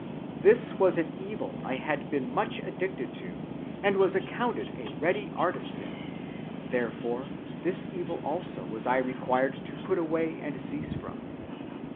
This was an evil I had been much addicted to, and was accounted a ready artist in; therefore this evil also was I required to put away and cease from.